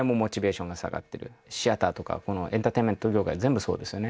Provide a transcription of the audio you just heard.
シアターとかこのエンターテインメント業界全部そうですよね。